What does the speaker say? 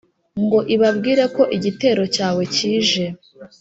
ngo ibabwire ko igitero cyawe kije,